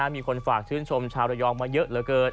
มีคนฝากชื่นชมชาวระยองมาเยอะเหลือเกิน